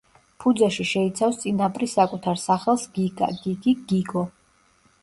ფუძეში შეიცავს წინაპრის საკუთარ სახელს „გიგა“, „გიგი“, „გიგო“.